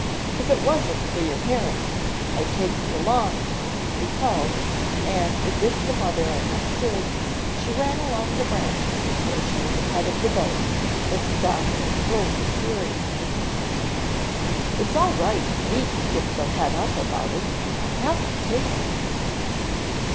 "If it wasn't for your parents, I'd take you along," he called, and as if the mother understood, she ran along the branches until she was ahead of the boat, then stopped and scolded furiously. "It's all right, you needn't get so het up about it I haven't taken him."